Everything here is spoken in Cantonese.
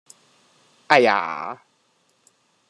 「哎呀」